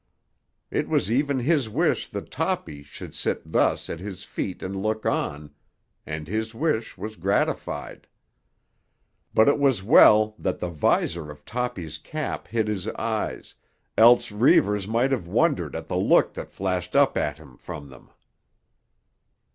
It was even his wish that Toppy should sit thus at his feet and look on, and his wish was gratified. But it was well that the visor of Toppy's cap hid his eyes, else Reivers might have wondered at the look that flashed up at him from them.